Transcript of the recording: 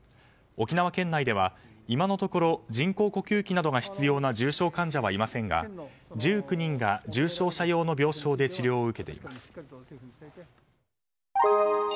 沖縄県内では今のところ人工呼吸器などが必要な重症患者はいませんが１９人が重症者用の病床で治療を受けています。